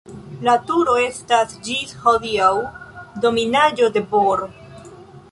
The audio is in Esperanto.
La turo estas ĝis hodiaŭ dominaĵo de Bor.